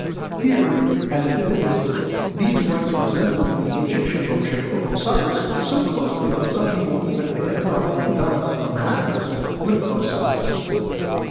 Here, as at Byblus, these rites resembled the Egyptian worship of Osiris so closely that some people even identified the Adonis of Amathus with Osiris.